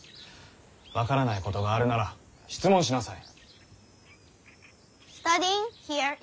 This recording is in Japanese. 分からないことがあるなら質問しなさい。